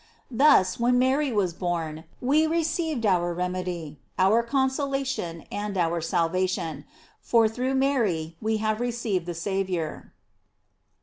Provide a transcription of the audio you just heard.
"* Thus, when Mary was born, we received our remedy, our consolation, and our salvation; for through Mary we have re ceived the Saviour.